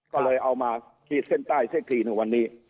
ก็เลยเอามาขีดเส้นใต้สักทีในวันนี้